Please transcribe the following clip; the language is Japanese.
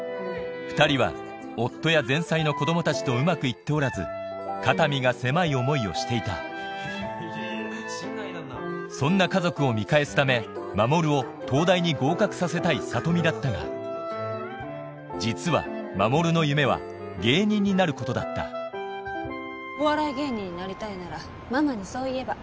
２人は夫や前妻の子供たちとうまく行っておらず肩身が狭い思いをしていたそんな家族を見返すため守を東大に合格させたい里美だったが実は守の夢は芸人になることだったお笑い芸人になりたいならママにそう言えば？